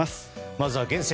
まずは厳選！